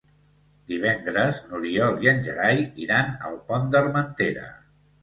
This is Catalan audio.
Divendres n'Oriol i en Gerai iran al Pont d'Armentera.